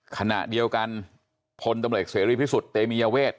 ขณะเดียวกันพลตำรวจเสรีพิสุทธิ์เตมียเวท